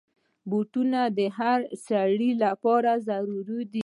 بوټونه د هر سړي لپاره ضرور دي.